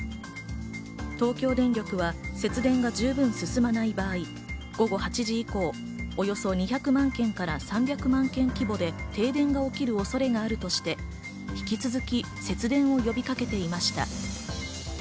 東京電力は節電が十分進まない場合、午後８時以降、およそ２００万軒から３００万軒規模で停電が起きる恐れがあるとして、引き続き節電を呼びかけていました。